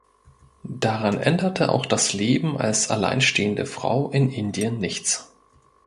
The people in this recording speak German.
Daran änderte auch das Leben als alleinstehende Frau in Indien nichts.